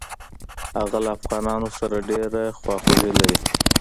هغه له افغانانو سره ډېره خواخوږي لري.